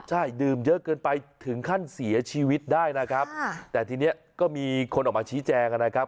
ใช่ดื่มเยอะเกินไปถึงขั้นเสียชีวิตได้นะครับแต่ทีนี้ก็มีคนออกมาชี้แจงนะครับ